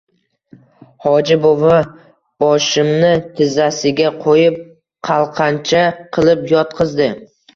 Hoji buvi boshimni tizzasiga qo‘yib chalqancha qilib yotqizdi.